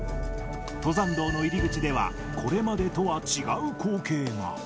登山道の入り口では、これまでとは違う光景が。